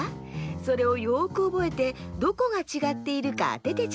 それをよくおぼえてどこがちがっているかあててちょうだい。